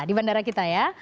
di bandara kita ya